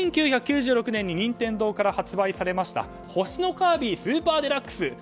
１９９６年に任天堂から発売されました「星のカービィスーパーデラックス」。